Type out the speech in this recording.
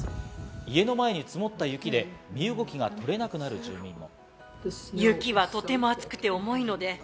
家の前に積もった雪で身動きが取れなくなる住民も。